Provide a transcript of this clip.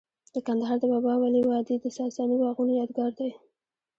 د کندهار د بابا ولی وادي د ساساني باغونو یادګار دی